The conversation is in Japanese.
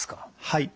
はい。